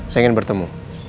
saya ingin bertemu